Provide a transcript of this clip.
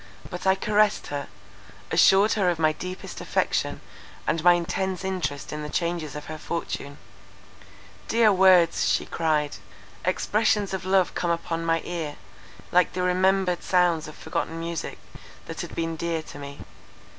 but I caressed her, assured her of my deepest affection and my intense interest in the changes of her fortune:—"Dear words," she cried, "expressions of love come upon my ear, like the remembered sounds of forgotten music, that had been dear to me.